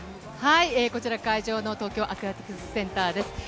会場の東京アクアティクスセンターです。